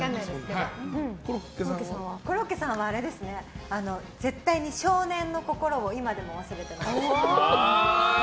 コロッケさんは絶対に少年の心を今でも忘れてない。